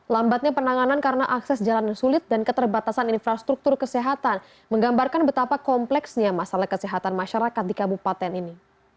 lambatnya penanganan karena akses jalan yang sulit dan keterbatasan infrastruktur kesehatan menggambarkan betapa kompleksnya masalah kesehatan masyarakat di kabupaten ini